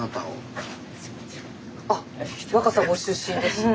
あっ若桜ご出身ですって。